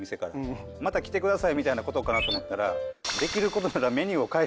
「また来てください」みたいなことかなと思ったら。